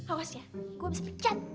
awas ya gue bisa pecat